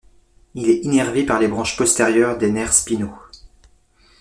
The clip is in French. Il est innervé par les branches postérieures des nerfs spinaux.